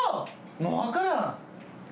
もう分からん！